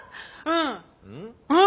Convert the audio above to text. うん。